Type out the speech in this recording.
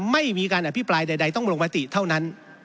ไม่มีการอภิปรายใดต้องลงมติเท่านั้น